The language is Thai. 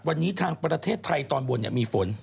วันนี้ทางประเทศไทยตอนบนมีฝน